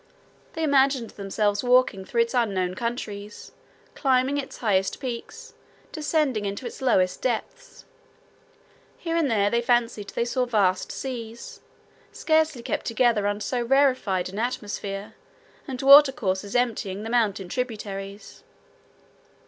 They imagined themselves walking through its unknown countries, climbing its highest peaks, descending into its lowest depths. Here and there they fancied they saw vast seas, scarcely kept together under so rarefied an atmosphere, and water courses emptying the mountain tributaries.